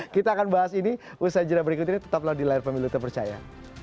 kita akan bahas ini usai jeda berikut ini tetaplah di layar pemilu terpercaya